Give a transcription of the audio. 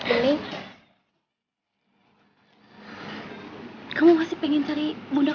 aku kaget sama bunda